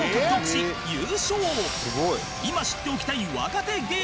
今知っておきたい若手芸人